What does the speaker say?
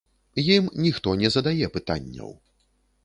Ім ніхто не задае пытанняў.